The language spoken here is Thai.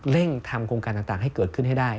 เร่งทำโครงการต่างให้เกิดขึ้นให้ได้